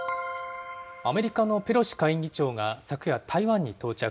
アメリカのペロシ下院議長が昨夜、台湾に到着。